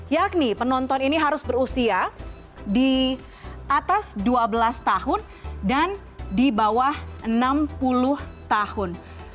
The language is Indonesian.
yakni penonton ini harus berusia di atas dua belas tahun dan di bawah enam puluh tahun